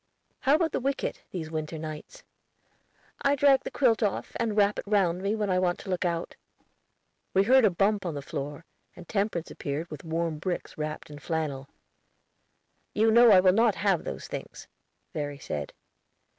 "How about the wicket, these winter nights?" "I drag the quilt off, and wrap it round me when I want to look out." We heard a bump on the floor, and Temperance appeared with warm bricks wrapped in flannel. "You know that I will not have those things," Verry said.